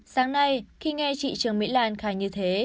sáng nay khi nghe chị trương mỹ lan khai như thế